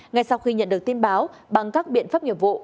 ngay sau khi nhận được tin báo bằng các biện pháp nghiệp vụ